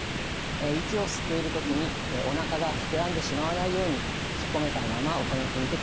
息を吸っている時におなかが膨らんでしまわないようにひっこめたまま行ってみてください。